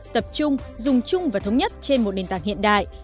tập trung dùng chung và thống nhất trên một nền tảng hiện đại